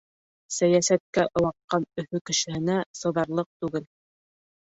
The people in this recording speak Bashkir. Сәйәсәткә ылыҡҡан Өфө кешеһенә сыҙарлыҡ түгел.